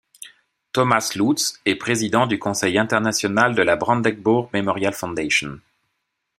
Thomas Lutz est président du conseil international de la Brandenburg Memorial Foundation.